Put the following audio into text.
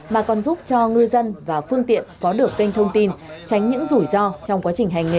mà còn giúp cho ngư dân và phương tiện có được kênh thông tin tránh những rủi ro trong quá trình hành nghề